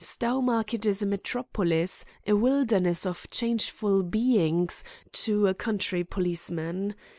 Stowmarket is a metropolis, a wilderness of changeful beings, to a country policeman.